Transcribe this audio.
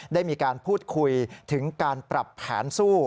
ได้มีการพูดคุยถึงการปรับแผนสู้